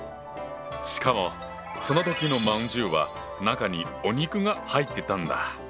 しかもその時の饅頭は中にお肉が入ってたんだ！